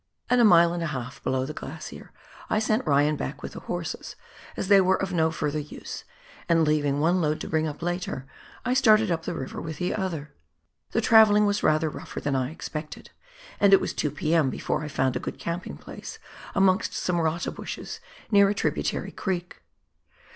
At a mile and a half below the glacier, I sent Ryan back with the horses, as they were of no further use, and leaving one load to bring up later, I started up the river with the other. The travelling was rather rougher than I expected, and it was two p.m. before I found a good camping place amongst some rata bushes near a tributary' creek.